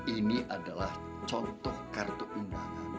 ini adalah contoh kartu undangan